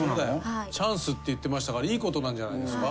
チャンスって言ってましたからいいことなんじゃないですか？